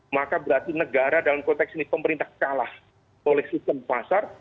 maka berarti negara dalam konteks ini pemerintah kalah oleh sistem pasar